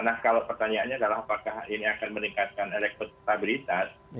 nah kalau pertanyaannya adalah apakah ini akan meningkatkan elektabilitas